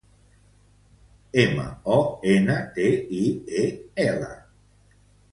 La meva mare es diu Assia Montiel: ema, o, ena, te, i, e, ela.